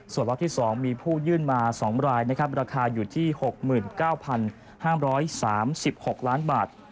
ส่วนล็อตที่๒มีผู้ยื่นมา๒รายนะครับราคาอยู่ที่๖๙๕๓๖ล้านบาท